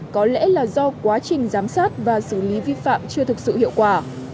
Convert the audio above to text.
có lẽ là do quá trình giám sát và xử lý vi phạm chưa thực sự hiệu quả